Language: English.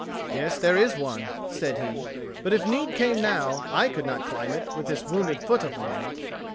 "Yes, there is one," said he; "but if need came now, I could not climb it with this wounded foot of mine."